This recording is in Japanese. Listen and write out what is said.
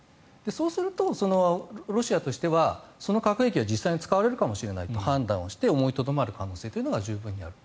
そうすると、ロシアとしてはその核兵器は実際に使われるかもしれないと判断して、思いとどまる可能性は十分ある。